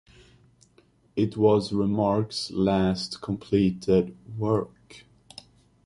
It was Remarque's last completed work.